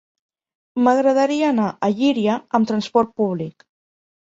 M'agradaria anar a Llíria amb transport públic.